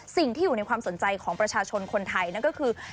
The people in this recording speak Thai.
สิ่งที่อยู่ในความสนใจของประชาชนคนไทยนั่นก็คือ